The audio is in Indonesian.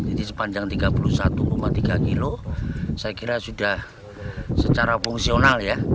ini sepanjang tiga puluh satu tiga kilo saya kira sudah secara fungsional ya